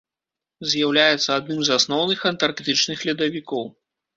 З'яўляецца адным з асноўных антарктычных ледавікоў.